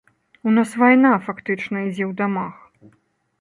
У нас вайна фактычна ідзе ў дамах.